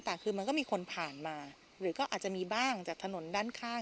แต่คือมันก็มีคนผ่านมาหรือก็อาจจะมีบ้างจากถนนด้านข้าง